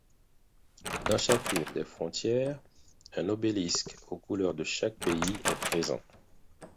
Dans chacune des frontières, un obélisque au couleur de chaque pays est présent.